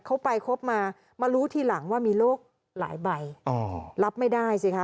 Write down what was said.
ไปคบมามารู้ทีหลังว่ามีโรคหลายใบอ๋อรับไม่ได้สิคะ